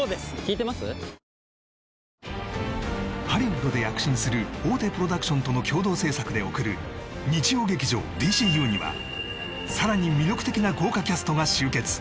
ハリウッドで躍進する大手プロダクションとの共同制作で送る日曜劇場「ＤＣＵ」にはさらに魅力的な豪華キャストが集結！